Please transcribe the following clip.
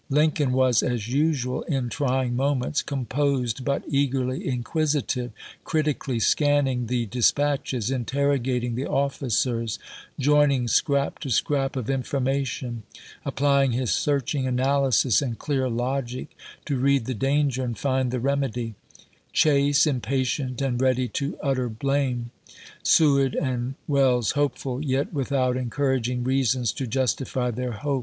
Lincoln was, as usual in trying moments, composed but eagerly inquisitive, critically scanning the dis patches, interrogating the officers, joining scrap to scrap of information, applying his searching analysis and clear logic to read the danger and find the remedy; Chase impatient and ready to utter blame; Seward and Welles hopeful, yet with out encom'aging reasons to Justify their hope.